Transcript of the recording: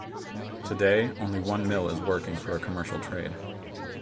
Today, only one mill is working for a commercial trade.